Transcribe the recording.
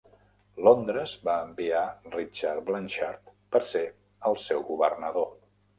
Londres va enviar Richard Blanshard per ser el seu governador.